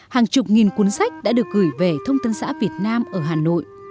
hàng chục nghìn cuốn sách đã được gửi về thông tân xã việt nam ở hà nội